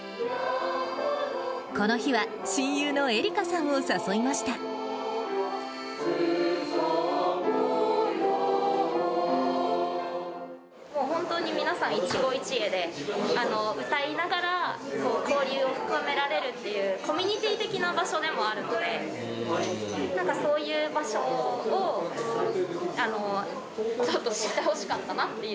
この日は、もう本当に、皆さん一期一会で、歌いながら交流を深められるという、コミュニティー的な場所でもあるので、そういう場所をちょっと知ってほしかったなっていう。